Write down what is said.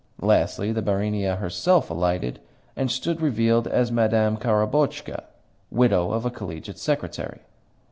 Lastly, the barinia herself alighted, and stood revealed as Madame Korobotchka, widow of a Collegiate Secretary!